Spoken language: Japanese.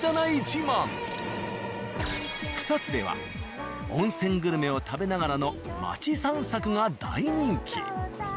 草津では温泉グルメを食べながらの街散策が大人気。